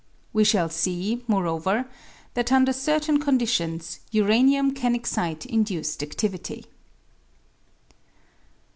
We shall see, moreover, that, under certain conditions, uranium can excite induced adivity.